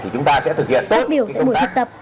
các biểu tại buổi diễn tập